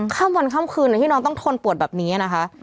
คำวันคำคืนน้องต้องทนปวดแบบนี้นะคะ